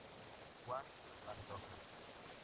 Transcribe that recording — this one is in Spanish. Juan Pantoja.